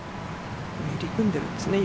入り組んでいるんですね。